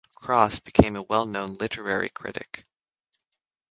Cross became a well-known literary critic.